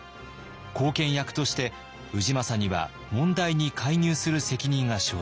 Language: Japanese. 後見役として氏政には問題に介入する責任が生じます。